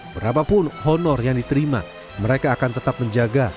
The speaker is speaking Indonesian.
berapapun honor yang diterima mereka akan tetap menjaga